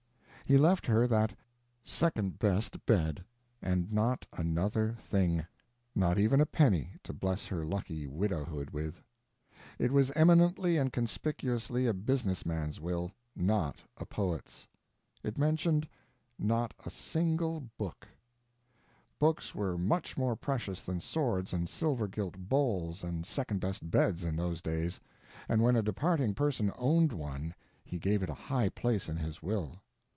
He left her that "second best bed." And not another thing; not even a penny to bless her lucky widowhood with. It was eminently and conspicuously a business man's will, not a poet's. It mentioned not a single book. Books were much more precious than swords and silver gilt bowls and second best beds in those days, and when a departing person owned one he gave it a high place in his will.